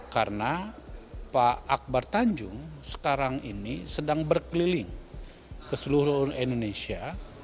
karena pak akbar tanjung sekarang ini sedang berkeliling ke seluruh indonesia